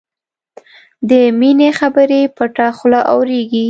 د مینې خبرې پټه خوله اورېږي